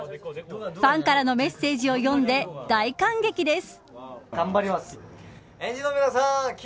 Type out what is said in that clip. ファンからのメッセージを読んで大感激です。